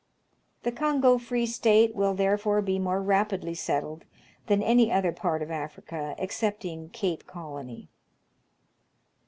The Kongo Free State will therefore be more rapidly settled than any other part of Africa excepting Cape Colony.